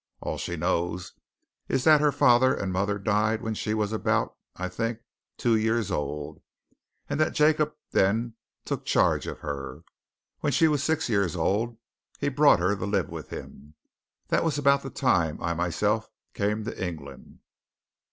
All she knows is that her father and mother died when she was about I think two years old, and that Jacob then took charge of her. When she was six years old, he brought her to live with him. That was about the time I myself came to England."